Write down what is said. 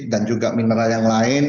dan juga mineral yang lain